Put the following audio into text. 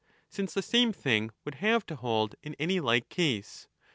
Since the same thing would have to hold in any like case.